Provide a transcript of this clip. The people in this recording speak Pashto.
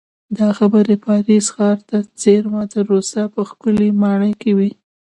دا خبرې پاریس ښار ته څېرمه د ورسا په ښکلې ماڼۍ کې وې